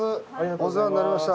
お世話になりました。